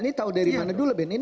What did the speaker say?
ini tahu dari mana dulu ben